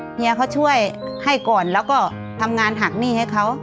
เมียเขาช่วยให้ก่อนแล้วก็ทำงานหักหนี้ให้เขา